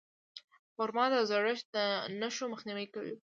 خرما د زړښت د نښو مخنیوی کوي.